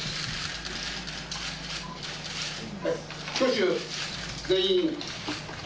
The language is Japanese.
挙手全員。